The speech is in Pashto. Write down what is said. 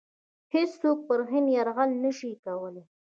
هیڅوک پر هند یرغل نه شي کولای.